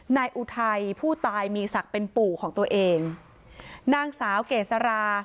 อุทัยผู้ตายมีศักดิ์เป็นปู่ของตัวเองนางสาวเกษรา